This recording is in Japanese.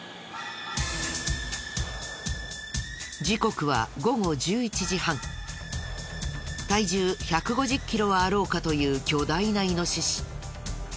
時刻は体重１５０キロはあろうかという巨大なイノシシ。